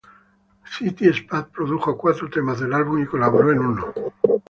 City Spud produjo cuatro temas del álbum y colaboró en uno.